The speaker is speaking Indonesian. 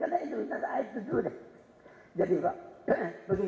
karena indovinasi ada air kecil